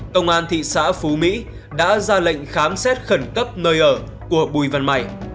công an thị xã phú mỹ đã ra lệnh khám xét khẩn cấp nơi ở của bùi văn mày